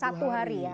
satu hari ya